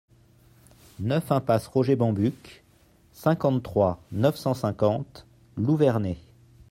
neuf impasse Roger Bambuck, cinquante-trois, neuf cent cinquante, Louverné